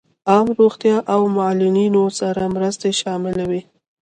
عام روغتیا او معلولینو سره مرستې شاملې وې.